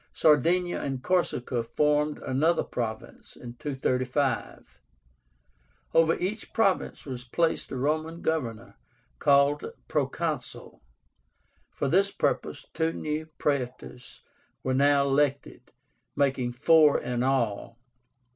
Sardinia and Corsica formed another province (235). Over each province was placed a Roman governor, called Proconsul. For this purpose two new Praetors were now elected, making four in all.